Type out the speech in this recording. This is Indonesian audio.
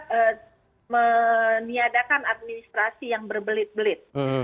kemudian yang kedua meniadakan administrasi yang berbelit belit